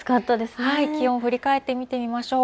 気温を振り返って見てみましょう。